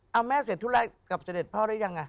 เอาแม่เสร็จทุกอย่างกลับเจอเด็ดพ่อได้ยังไง